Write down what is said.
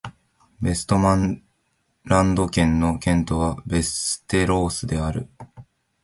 ヴェストマンランド県の県都はヴェステロースである